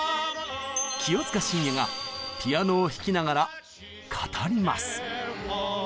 清塚信也がピアノを弾きながら語ります！